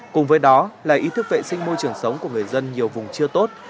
cùng với đó là ý thức vệ sinh môi trường sống của người dân nhiều vùng chưa tốt